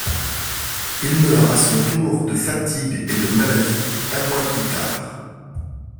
Il meurt à son tour de fatigue et de maladie un mois plus tard.